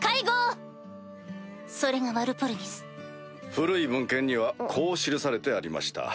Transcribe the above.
古い文献にはこう記されてありました。